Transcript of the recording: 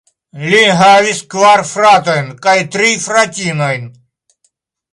Li havis kvar fratojn kaj tri fratinojn.